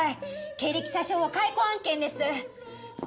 経歴詐称は解雇案件です